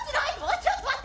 ちょっと待って。